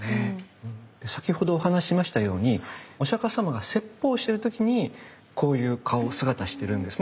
先ほどお話しましたようにお釈様が説法してる時にこういう顔・姿してるんですね。